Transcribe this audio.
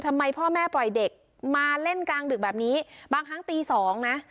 ทำไมพ่อแม่ปล่อยเด็กมาเล่นกลางดึกแบบนี้บางครั้งตีสองนะ